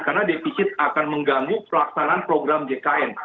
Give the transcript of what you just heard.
karena defisit akan mengganggu pelaksanaan program jkn